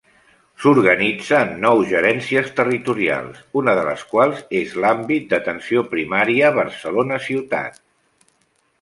S'organitza en nou gerències territorials, una de les quals és l'Àmbit d’Atenció Primària Barcelona Ciutat.